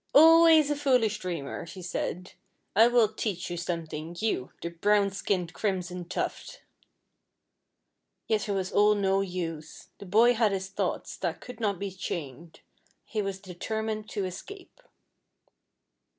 "Always a foolish dreamer," she said. "I will teach you something, you, the brown skinned Crimson Tuft." Yet it was all no use: the boy had his thoughts, that could not be chained. He was determined to escape.